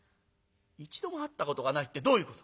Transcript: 「一度も会ったことがないってどういうこと？」。